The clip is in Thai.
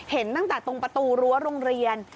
เห็นตั้งแต่ตรงประตูรั้วโรงเรียน